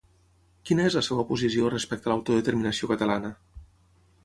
Quina és la seva posició respecte a l'autodeterminació catalana?